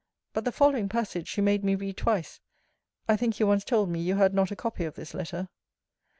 But the following passage she made me read twice. I think you once told me you had not a copy of this letter.